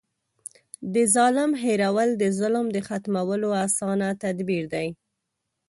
د ظالم هېرول د ظلم د ختمولو اسانه تدبير دی.